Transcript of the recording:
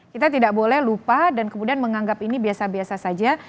kita tidak boleh lupa dan kemudian menganggap ini biasa biasa saja